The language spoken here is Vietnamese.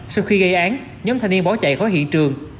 sau khi gây án nhóm thanh niên bỏ chạy khỏi hiện trường